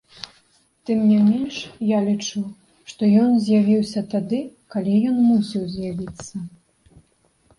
Тым не менш, я лічу, што ён з'явіўся тады, калі ён мусіў з'явіцца.